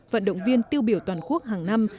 vận động viên tiêu biểu toàn quốc hàng năm